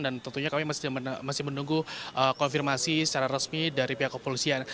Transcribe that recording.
dan tentunya kami masih menunggu konfirmasi secara resmi dari pihak kepolisian